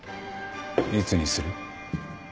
いつにする？